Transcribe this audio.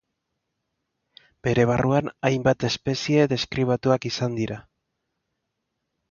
Bere barruan hainbat espezie deskribatuak izan dira.